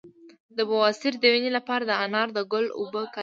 د بواسیر د وینې لپاره د انار د ګل اوبه وکاروئ